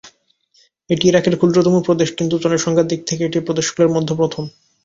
এটি ইরাকের ক্ষুদ্রতম প্রদেশ, কিন্তু জনসংখ্যার দিক থেকে এটি প্রদেশগুলির মধ্যে প্রথম।